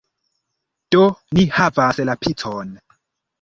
Do, ni havas la picon!